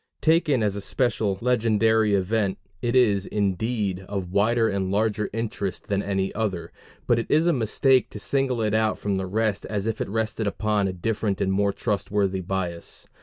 Taken as a special legendary event, it is, indeed, of wider and larger interest than any other, but it is a mistake to single it out from the rest as if it rested upon a different and more trustworthy basis.